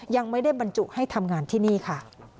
ยังไม่ได้บรรจุให้ทำงานที่นี่ค่ะ